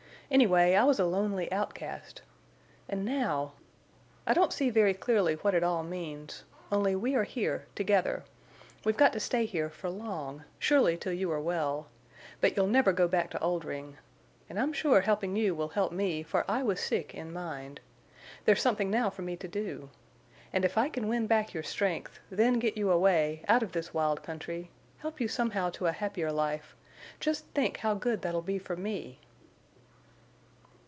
Anyway, I was a lonely outcast. And now!... I don't see very clearly what it all means. Only we are here—together. We've got to stay here, for long, surely till you are well. But you'll never go back to Oldring. And I'm sure helping you will help me, for I was sick in mind. There's something now for me to do. And if I can win back your strength—then get you away, out of this wild country—help you somehow to a happier life—just think how good that'll be for me!"